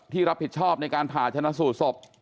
รับผิดชอบในการผ่าชนะสูตรศพ